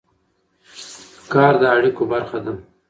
کار د اړیکو برخه ده.